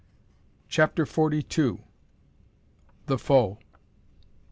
CHAPTER FORTY TWO. THE FOE.